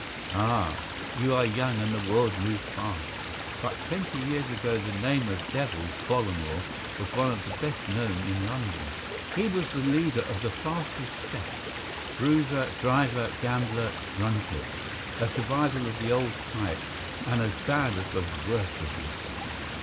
"Ah, you are young and the world moves fast, but twenty years ago the name of 'Devil' Bollamore was one of the best known in London. He was the leader of the fastest set, bruiser, driver, gambler, drunkard—a survival of the old type, and as bad as the worst of them."